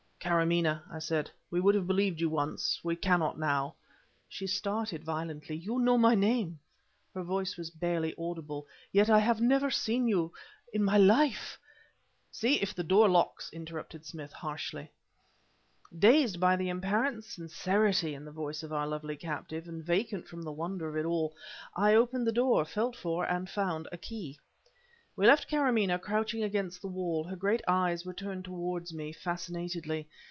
"Karamaneh" I said. "We would have believed you once. We cannot, now." She started violently. "You know my name!" Her voice was barely audible. "Yet I have never seen you in my life " "See if the door locks," interrupted Smith harshly. Dazed by the apparent sincerity in the voice of our lovely captive vacant from wonder of it all I opened the door, felt for, and found, a key. We left Karamaneh crouching against the wall; her great eyes were turned towards me fascinatedly.